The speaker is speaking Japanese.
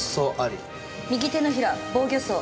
右手のひら防御創。